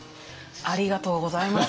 ありがとうございます